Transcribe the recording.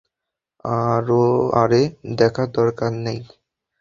আরে দেখার দরকার নেই।